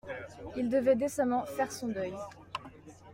Il devait décemment «faire son deuil».